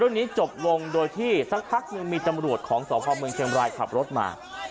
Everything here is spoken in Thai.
เรื่องนี้จบลงโดยที่สักพักหนึ่งมีตำรวจของสพเมืองเชียงบรายขับรถมา